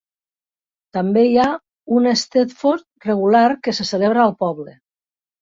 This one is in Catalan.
També hi ha un Eisteddfod regular que se celebra al poble.